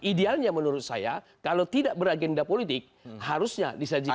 idealnya menurut saya kalau tidak beragenda politik harusnya disajikan